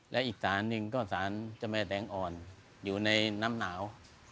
และอีกสถานที่นี่เจ้าแม่แตงอ่อนอยู่ในนำหนาว